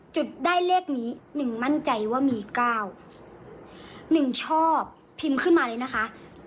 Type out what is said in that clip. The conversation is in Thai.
จุดได้เลขนี้หนึ่งมั่นใจว่ามี๙๑ชอบพิมพ์ขึ้นมาเลยนะคะ